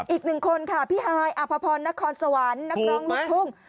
อีกหนึ่งคนค่ะพี่ฮายอัภพรนครสวรรค์นครลุ่มทุ่ง